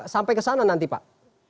sampai ke sana nanti pak